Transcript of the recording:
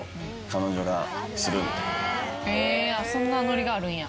へぇそんなノリがあるんや。